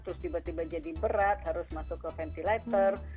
terus tiba tiba jadi berat harus masuk ke ventilator